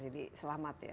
jadi selamat ya